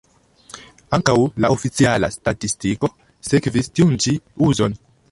Ankaŭ la oficiala statistiko sekvis tiun ĉi uzon.